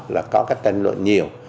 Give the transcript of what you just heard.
là có các tên luận nhiều